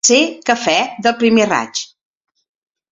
Ser cafè del primer raig.